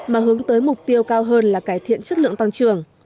mà hướng tới mục tiêu cao hơn là cải thiện chất lượng tăng trưởng